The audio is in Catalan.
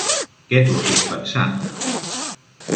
Què t'ho ha fet pensar?